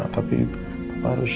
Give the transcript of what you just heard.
tapi bapak harus